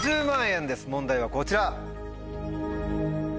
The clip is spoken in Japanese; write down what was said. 問題はこちら。